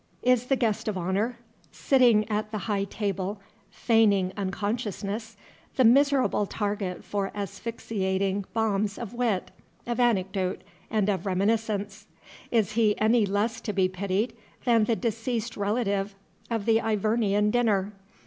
Is the Guest of Honor, sitting at the High Table feigning unconsciousness, the miserable target for asphyxiating bombs of wit, of anecdote, and of reminiscence—is he any less to be pitied than the deceased relative of the Ivernian dinner?